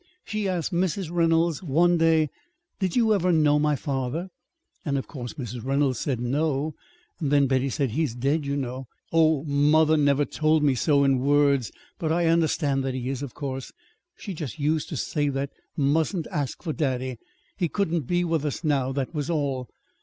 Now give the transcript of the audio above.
She asked Mrs. Reynolds one day: 'Did you ever know my father?' And of course Mrs. Reynolds said, 'No.' Then Betty said: 'He is dead, you know. Oh, mother never told me so, in words; but I understand that he is, of course. She just used to say that I mustn't ask for daddy. He couldn't be with us now. That was all.